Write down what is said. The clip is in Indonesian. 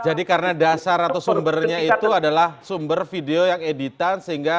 jadi karena dasar atau sumbernya itu adalah sumber video yang editan sehingga